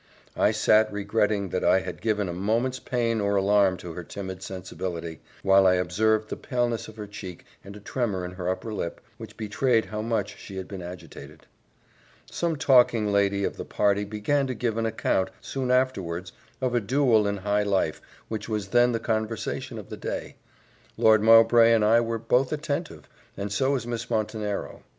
I sat regretting that I had given a moment's pain or alarm to her timid sensibility, while I observed the paleness of her cheek, and a tremor in her under lip, which betrayed how much she had been agitated. Some talking lady of the party began to give an account, soon afterwards, of a duel in high life, which was then the conversation of the day: Lord Mowbray and I were both attentive, and so was Miss Montenero.